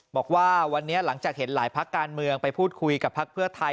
บอกว่าวันนี้หลังจากเห็นหลายพักการเมืองไปพูดคุยกับพักเพื่อไทย